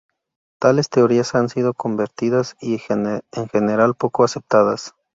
Tales teorías han sido controvertidas y en general poco aceptadas.